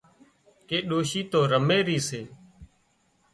ڪي ڏوشي تو رمي رِي سي